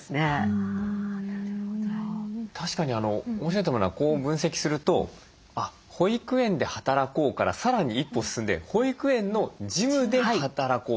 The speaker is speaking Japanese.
確かに面白いと思うのはこう分析すると「保育園で働こう」から更に一歩進んで「保育園の事務で働こう」